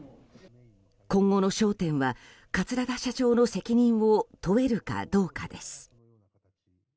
今後の焦点は桂田社長の責任を問えるかどうかです。